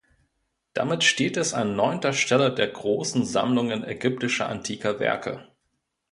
Damit steht es an neunter Stelle der großen Sammlungen ägyptischer antiker Werke.